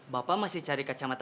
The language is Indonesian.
bapak masih cari kacang matanya